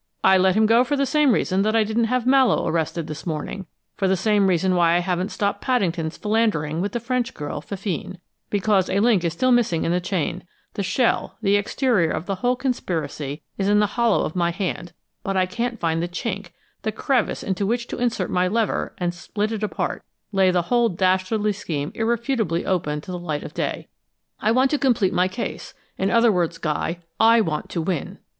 I let him go for the same reason that I didn't have Mallowe arrested this morning for the same reason why I haven't stopped Paddington's philandering with the French girl, Fifine: because a link is still missing in the chain; the shell, the exterior of the whole conspiracy is in the hollow of my hand, but I can't find the chink, the crevice into which to insert my lever and split it apart, lay the whole dastardly scheme irrefutably open to the light of day. I want to complete my case: in other words, Guy I want to win!"